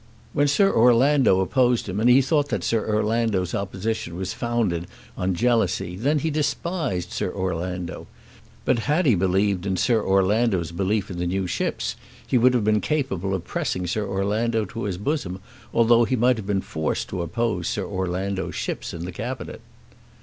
When Sir Orlando opposed him, and he thought that Sir Orlando's opposition was founded on jealousy, then he despised Sir Orlando. But had he believed in Sir Orlando's belief in the new ships, he would have been capable of pressing Sir Orlando to his bosom, although he might have been forced to oppose Sir Orlando's ships in the Cabinet."